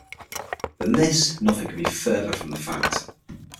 Than this nothing can be further from the fact.